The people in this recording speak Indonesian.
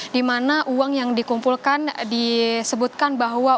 dimana uang yang dikumpulkan disebutkan bahwa